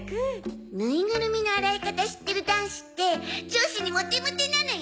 ぬいぐるみの洗い方知ってる男子って女子にモテモテなのよ？